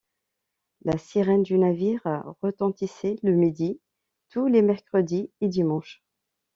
La sirène du navire retentissait le midi, tous les mercredis et dimanches.